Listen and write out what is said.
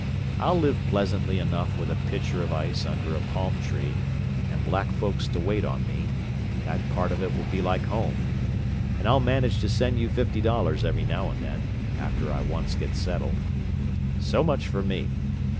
I'll live pleasantly enough with a pitcher of ice under a palm tree, and black folks to wait on me—that part of it will be like home—and I'll manage to send you fifty dollars every now and then, after I once get settled. So much for me!